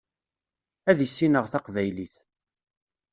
Ad issineɣ tabqylit.